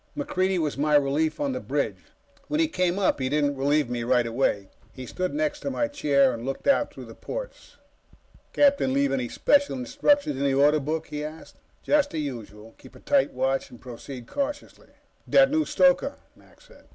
MacReidie was my relief on the bridge. When he came up, he didn't relieve me right away. He stood next to my chair and looked out through the ports. "Captain leave any special instructions in the Order Book?" he asked. "Just the usual. Keep a tight watch and proceed cautiously." "That new stoker," Mac said.